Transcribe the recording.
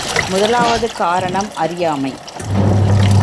முதலாவது காரணம் அறியாமை.